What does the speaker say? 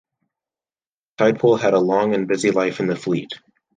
"Tidepool" had a long and busy life in the fleet.